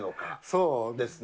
そうですね。